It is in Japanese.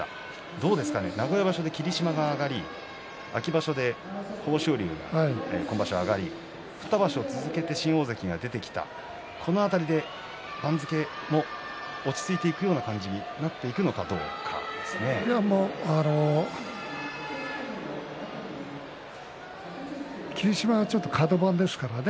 どうですかね、名古屋場所で霧島が上がり、秋場所で豊昇龍が今場所上がり２場所続けて新大関が出てきたこの辺りで番付も落ち着いていくような感じに霧島がちょっとカド番ですからね。